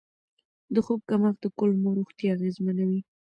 د خوب کمښت د کولمو روغتیا اغېزمنوي.